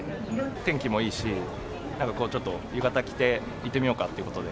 天気もいいし、なんかこう、ちょっと浴衣来て行ってみようかっていうことで。